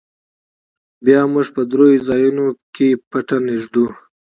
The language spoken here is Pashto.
بيا موږ په درېو ځايونو کښې پټن ږدو.